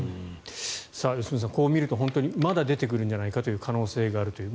良純さん、こう見るとまだ出てくるんじゃないかという可能性があるという。